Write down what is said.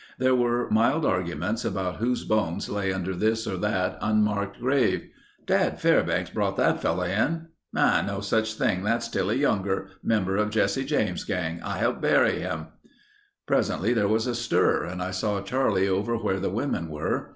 There were mild arguments about whose bones lay under this or that unmarked grave. "Dad Fairbanks brought that fellow in...." "No such thing. That's Tillie Younger—member of Jesse James's gang. I helped bury him...." Presently there was a stir and I saw Charlie over where the women were.